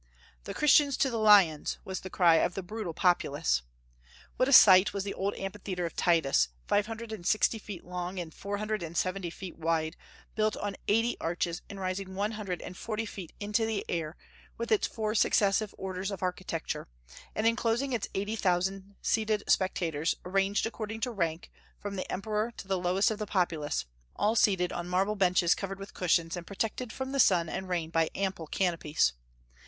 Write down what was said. "The Christians to the lions!" was the cry of the brutal populace. What a sight was the old amphitheatre of Titus, five hundred and sixty feet long and four hundred and seventy feet wide, built on eighty arches and rising one hundred and forty feet into the air, with its four successive orders of architecture, and enclosing its eighty thousand seated spectators, arranged according to rank, from the Emperor to the lowest of the populace, all seated on marble benches covered with cushions, and protected from the sun and rain by ample canopies!